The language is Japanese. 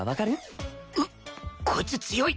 うっこいつ強い